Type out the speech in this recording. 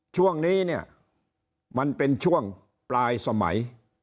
ช่วงนี้เนี่ยมันเป็นช่วงปลายสมัย